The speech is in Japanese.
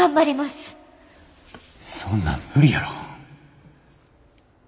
そんなん無理やろ。